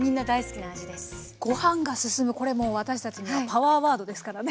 ご飯が進むもう私たちにはパワーワードですからね。